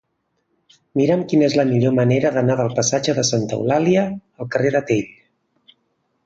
Mira'm quina és la millor manera d'anar del passatge de Santa Eulàlia al carrer de Tell.